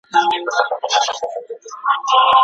آيا د قدرت له پاره مبارزه تل سوله ييزه وي؟